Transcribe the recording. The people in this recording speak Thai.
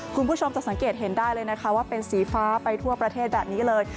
คุณผู้ชมจะสังเกตเห็นได้เลยนะคะว่าเป็นสีฟ้าไปทั่วประเทศแบบนี้เลย